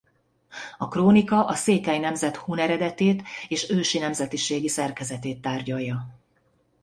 A krónika a székely nemzet hun eredetét és ősi nemzetiségi szerkezetét tárgyalja.